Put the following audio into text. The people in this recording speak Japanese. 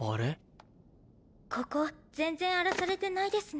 ここ全然荒らされてないですね。